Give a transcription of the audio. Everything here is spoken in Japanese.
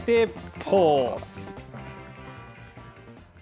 ポーズ！